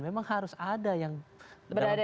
memang harus ada yang berada di luar